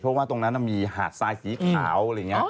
เพราะว่าตรงนั้นมีหาดสายสีขาว